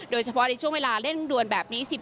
โดยเฉพาะในช่วงเวลาเร่งด่วนแบบนี้